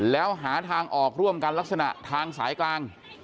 แล้วหาทางออกร่วมกันลักษณะทางสายกลาง